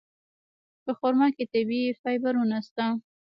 په خرما کې طبیعي فایبرونه شته.